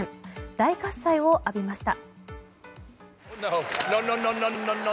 大喝采を浴びました。